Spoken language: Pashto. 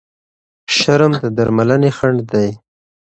شرم د درملنې خنډ دی.